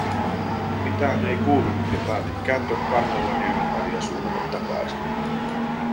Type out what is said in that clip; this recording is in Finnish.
Mitään ei kuulunut ja päätin kääntyä kannoillani ympäri ja suunnata takaisin.